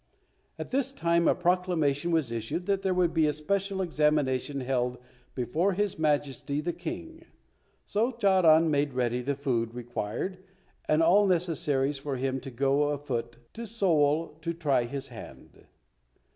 At this time a proclamation was issued that there would be a special examination held before His Majesty the King, so Charan made ready the food required and all necessaries for him to go afoot to Seoul to try his hand.